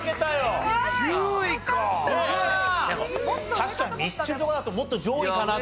確かにミスチルとかだともっと上位かなって。